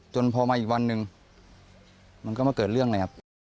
พอมาอีกวันหนึ่งมันก็มาเกิดเรื่องเลยครับ